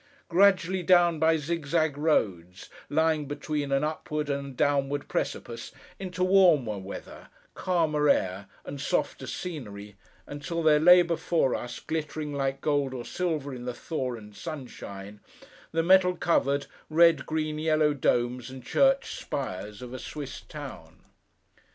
Gradually down, by zig zag roads, lying between an upward and a downward precipice, into warmer weather, calmer air, and softer scenery, until there lay before us, glittering like gold or silver in the thaw and sunshine, the metal covered, red, green, yellow, domes and church spires of a Swiss town.